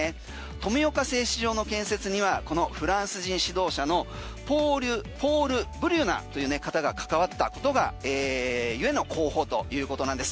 富岡製糸場の建設にはこのフランス人指導者のポール・ブリュナという方が関わったことがゆえの候補ということなんです。